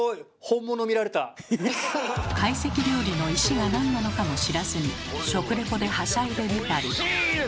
懐石料理の「石」がなんなのかも知らずに食レポではしゃいでみたり。